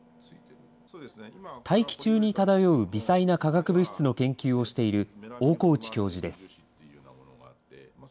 大気中に漂う微細な化学物質の研究をしている大河内教授です。